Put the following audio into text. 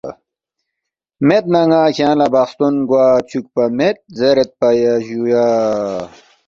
مید نہ ن٘ا کھیانگ لہ بخستون گوا چُوکپا مید“ زیریدپا جُویا